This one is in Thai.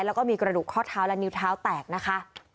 แล้วก็มีกระดูกข้อเท้าและนิ้วเท้าแตกนะคะ